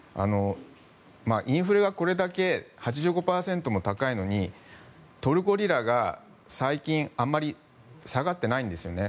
インフレがこれだけ８５％も高いのにトルコリラが最近あまり下がっていないんですね。